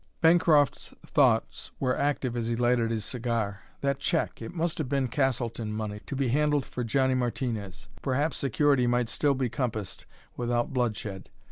Bancroft's thoughts were active as he lighted his cigar. That check it must have been Castleton money, to be handled for Johnny Martinez. Perhaps security might still be compassed without bloodshed.